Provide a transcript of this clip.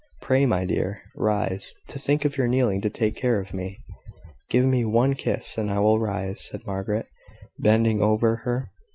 Pray, my dear, rise. To think of your kneeling to take care of me!" "Give me one kiss, and I will rise," said Margaret, bending over her.